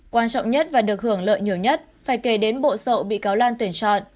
quan trọng nhất và được hưởng lợi nhiều nhất phải kể đến bộ sậu bị cáo lan tuyển chọn